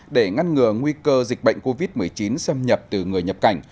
để ngăn ngừa nguy cơ dịch bệnh covid một mươi chín xâm nhập từ người nhập cảnh